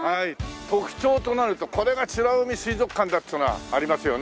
特徴となるとこれが美ら海水族館だっていうのがありますよね。